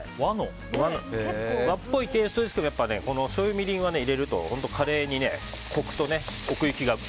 和っぽいテイストですけどしょうゆ、みりんは入れるとカレーにコクと奥行きが。